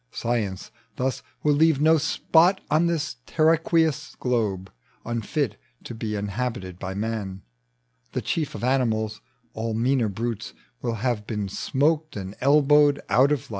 Science thna Will leave no spot on this terraqueous globe Unfit to be inhabited by man, The chief of animals : all meaner brutes Will have been smoked and elbowed out of life.